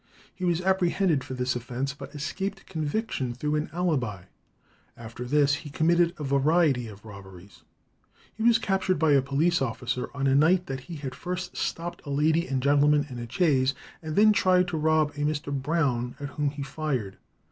He was apprehended for this offence, but escaped conviction through an alibi; after this he committed a variety of robberies. He was captured by a police officer on a night that he had first stopped a lady and gentleman in a chaise, and then tried to rob a Mr. Brown, at whom he fired.